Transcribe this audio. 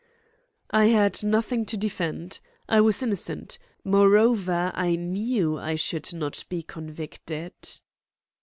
"I had nothing to defend. I was innocent. Moreover, I knew I should not be convicted."